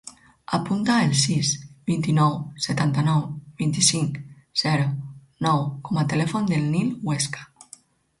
Apunta el sis, vint-i-nou, setanta-nou, vint-i-cinc, zero, nou com a telèfon del Nil Huesca.